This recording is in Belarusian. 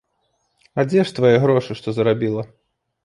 А дзе ж твае грошы, што зарабіла?